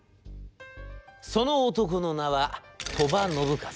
その男の名は鳥羽伸和。